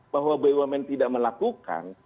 bahwa bumn tidak melakukan